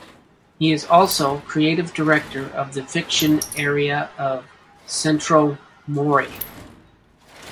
He is also creative director of the fiction area of "Centro Mori".